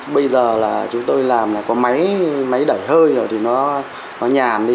bây giờ là chúng tôi làm là có máy máy đẩy hơi rồi thì nó nhàn đi